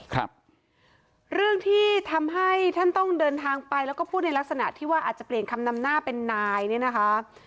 ครับเรื่องที่ทำให้ท่านต้องเดินทางไปแล้วก็พูดในลักษณะที่ว่าอาจจะเปลี่ยนคำนำหน้าเป็นนายเนี่ยนะคะ